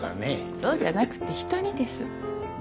そうじゃなくて人にです。